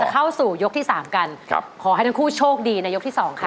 ไปต่อสู่ยกที่๓กันขอให้ทั้งคู่โชคดีในยกที่๒ค่ะ